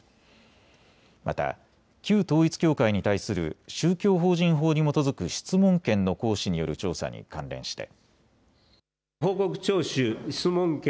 また、旧統一教会に対する宗教法人法に基づく質問権の行使による調査に関連して。